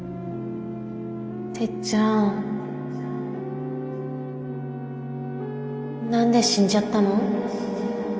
てっちゃん何で死んじゃったの？